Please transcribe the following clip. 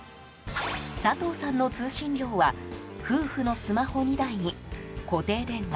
佐藤さんの通信料は夫婦のスマホ２台に固定電話